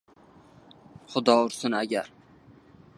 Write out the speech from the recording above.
— Xudo ursin agar!